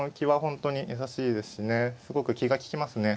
すごく気が利きますね。